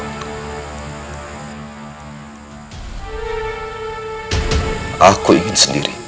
karena aku sudah mungkin bisa mendapat pembawa durian